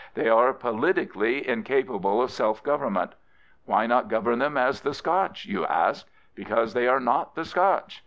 They are politically incapable of self government. Why not govern them as the Scotch, you ask? Be cause they are not the Scotch.